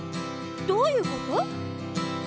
どういうこと？